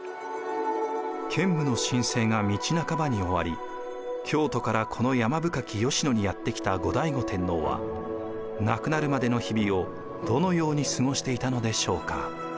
建武の新政が道半ばに終わり京都からこの山深き吉野にやって来た後醍醐天皇は亡くなるまでの日々をどのように過ごしていたのでしょうか。